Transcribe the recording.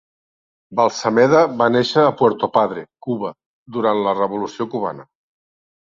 Balsameda va néixer a Puerto Padre, Cuba, durant la Revolució Cubana.